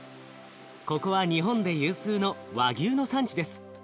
ここは日本で有数の和牛の産地です。